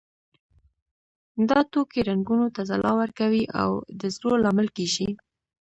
دا توکي رنګونو ته ځلا ورکوي او د زرو لامل کیږي.